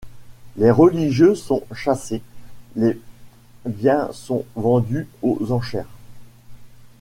Les religieux sont chassés, les biens sont vendus aux enchères.